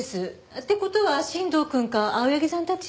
って事は新藤くんか青柳さんたち？